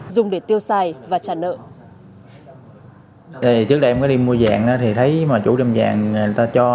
dùng để tiêu xài và trả nợ